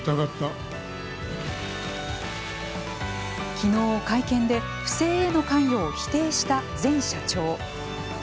昨日、会見で不正への関与を否定した前社長。